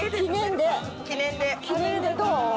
記念でどう？